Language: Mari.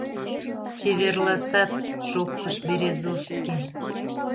— Чеверласат... — шоктыш Березовский.